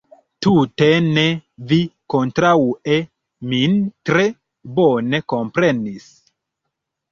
Tute ne: vi kontraŭe min tre bone komprenis.